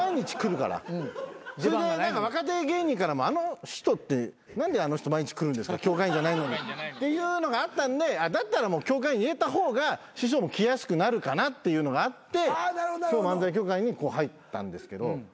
それで若手芸人からもあの人って何であの人毎日来るんですか協会員じゃないのにっていうのがあったんでだったらもう協会に入れた方が師匠も来やすくなるかなっていうのがあって漫才協会に入ったんですけど。